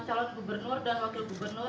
calon gubernur dan wakil gubernur